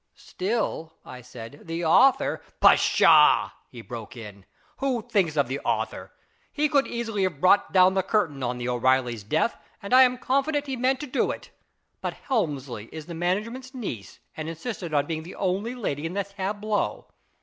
" Still," I said, " the author "" Pshaw !" he broke in, " who thinks of the author ? He could easily have brought down the curtain on the O'Reilly's death, and I am confident he meant to do it. But Helmsley is the management's niece, and insisted on being the only lady in the tableau.